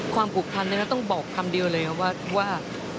ความผูกทันนะต้องบอกคำเดียวเลยว่า